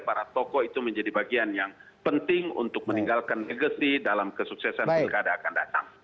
para tokoh itu menjadi bagian yang penting untuk meninggalkan negasi dalam kesuksesan pilkada akan datang